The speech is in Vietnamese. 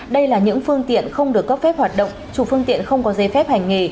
đây là những phương tiện không được cấp phép hoạt động chủ phương tiện không có dây phép hành nghề